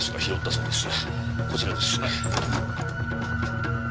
こちらです。